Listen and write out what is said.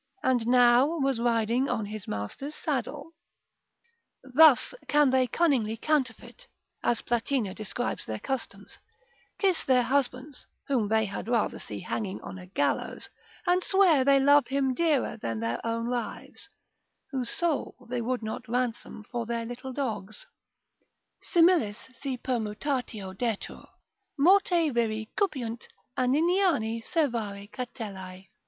And now was riding on his master's saddle. Thus can they cunningly counterfeit, as Platina describes their customs, kiss their husbands, whom they had rather see hanging on a gallows, and swear they love him dearer than their own lives, whose soul they would not ransom for their little dog's, ———similis si permutatio detur, Morte viri cupiunt aniniani servare catellae.